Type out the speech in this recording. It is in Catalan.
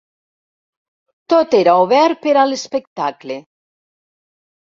Tot era obert per a l'espectacle.